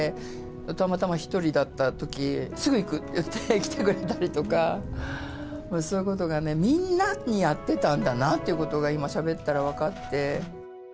たまたまひとりだったとき、すぐ行くって言って来てくれたりとか、そういうことがね、みんなにやってたんだなっていうことが今しゃべったら分かって。